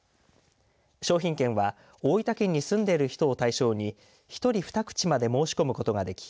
商品券は大分県に住んでいる人を対象に１人２口まで申し込むことができ